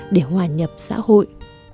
để hòa nhập xã hội